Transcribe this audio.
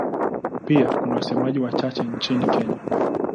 Pia kuna wasemaji wachache nchini Kenya.